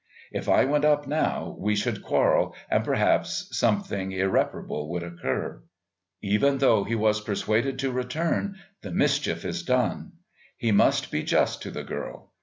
If I went up now we should quarrel, and perhaps something irreparable would occur. Even though he was persuaded to return, the mischief is done. He must be just to the girl.